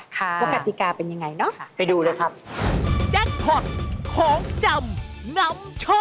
ว่ากติกาเป็นอย่างไรครับ